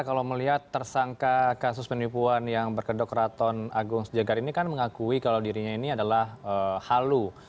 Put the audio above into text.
kalau melihat tersangka kasus penipuan yang berkedok ratun agung sejagar ini kan mengakui kalau dirinya ini adalah halu